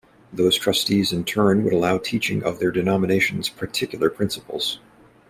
Those trustees in turn would allow teaching of their denomination's particular principles.